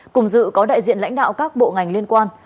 cùng dự có đại diện lãnh đạo các bộ ngành liên quan